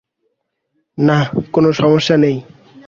না, কোনো সমস্যা নেই।